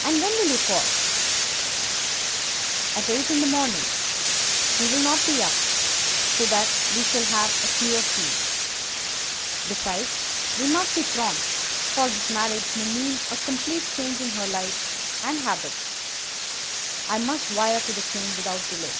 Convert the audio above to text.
"And when will you call?" "At eight in the morning. She will not be up, so that we shall have a clear field. Besides, we must be prompt, for this marriage may mean a complete change in her life and habits. I must wire to the king without delay."